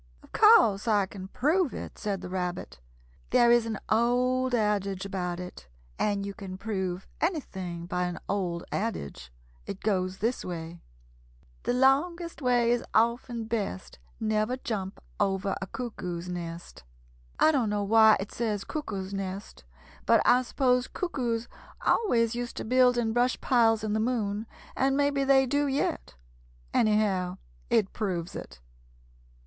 "Of course I can prove it," said the Rabbit. "There is an old adage about it, and you can prove anything by an old adage. It goes this way: "The longest way is often best Never jump over a cuckoo's nest. "I don't know just why it says 'cuckoo's nest,' but I suppose cuckoos always used to build in brush piles in the moon, and maybe they do yet. Anyhow it proves it."